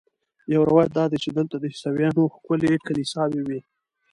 یو روایت دا دی چې دلته د عیسویانو ښکلې کلیساوې وې.